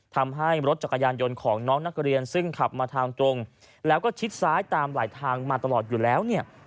ทำให้รถจักรยานยนต์ของน้องนักเรียนซึ่งขับมาทางตรงแล้วก็ชิดซ้ายตามหลายทางมาตลอดอยู่แล้วเนี่ย